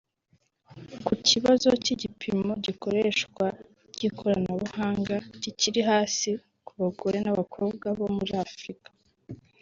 Ku kibazo cy’igipimo cy’ikoreshwa ry’ikoranabuhanga kikiri hasi ku bagore n’abakobwa bo muri Africa